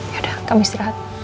ya udah kami istirahat